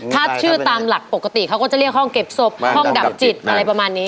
ถ้าชื่อตามหลักปกติเขาก็จะเรียกห้องเก็บศพห้องดับจิตอะไรประมาณนี้